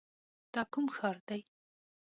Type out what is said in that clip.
دا کوم ښار دی؟